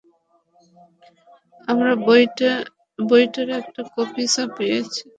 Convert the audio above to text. আমরা বইটার একটা কপিই ছাপিয়েছি।